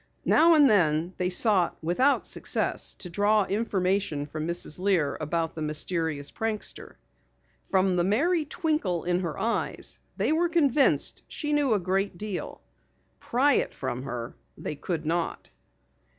Now and then they sought without success to draw information from Mrs. Lear about the mysterious prankster. From the merry twinkle in her eyes they were convinced she knew a great deal. Pry it from her they could not.